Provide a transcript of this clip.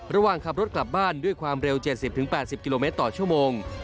ระหว่างขับรถกลับบ้านด้วยความเร็ว๗๐๘๐กิโลเมตรต่อชั่วโมง